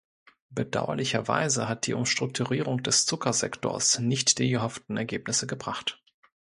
Bedauerlicherweise hat die Umstrukturierung des Zuckersektors nicht die erhofften Ergebnisse gebracht.